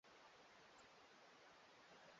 ga mboga kwa wingi na tunajua kwamba